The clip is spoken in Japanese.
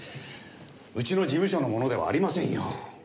うちの事務所の者ではありませんよ。